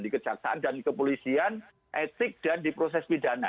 di kejaksaan dan kepolisian etik dan di proses pidana